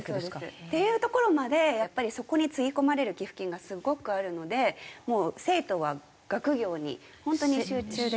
っていうところまでやっぱりそこにつぎ込まれる寄付金がすごくあるのでもう生徒は学業に本当に集中できる。